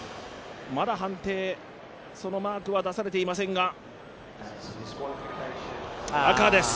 まだ判定、そのマークは出されていませんが、赤です。